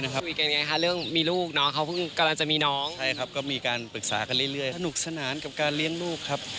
พอปิดอู่แล้วครับพี่ไปจัดการทำหมั่นเรียบร้อยแล้วครับ